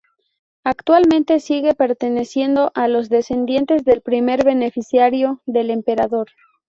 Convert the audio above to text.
Actualmente sigue perteneciendo a los descendientes del primer beneficiario del Emperador.